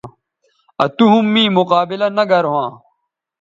آ تو ھم می مقابلہ نہ گرھواں